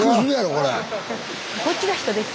こっちが人です。